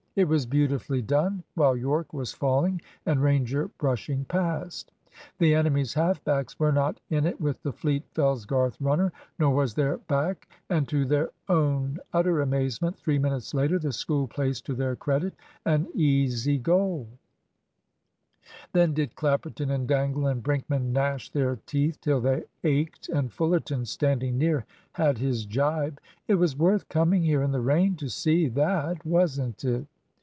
It was beautifully done, while Yorke was falling and Ranger brushing past. The enemy's half backs were not in it with the fleet Fellsgarth runner, nor was their back; and to their own utter amazement, three minutes later the School placed to their credit an easy goal. Then did Clapperton and Dangle and Brinkman gnash their teeth till they ached, and Fullerton, standing near, had his gibe. "It was worth coming here in the rain to see that, wasn't it?"